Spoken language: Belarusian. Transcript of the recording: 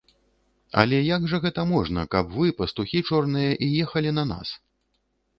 Але як жа гэта можна, каб вы, пастухі чорныя, і ехалі на нас?